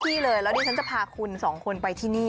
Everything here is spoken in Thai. พี่เลยแล้วนี่ฉันจะพาคุณ๒คนไปที่นี่